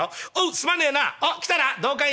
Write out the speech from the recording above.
すまねえ。